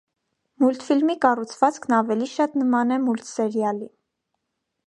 Մուլտֆիլմի կառուցվածքն ավելի շատ նման է մուլտսերիալի։